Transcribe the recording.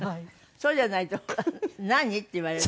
そうじゃないと「何？」って言われる。